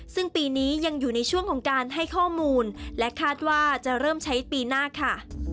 ซึ่งปีนี้ยังอยู่ในช่วงของการให้ข้อมูลและคาดว่าจะเริ่มใช้ปีหน้าค่ะ